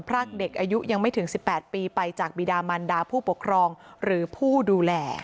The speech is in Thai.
รากเด็กอายุยังไม่ถึง๑๘ปีไปจากบิดามันดาผู้ปกครองหรือผู้ดูแล